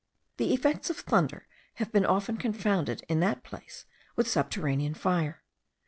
The effects of thunder have been often confounded in that place with subterranean fire.